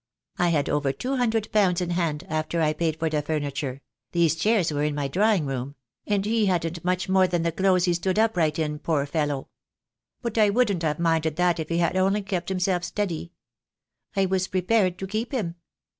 I had over two hundred pounds in hand after I paid for the furniture — these chairs were in my drawing room — and he hadn't much more than the clothes he stood up right in, poor fellow. But I wouldn't have minded that if he had only kept himself steady. I was prepared to keep him.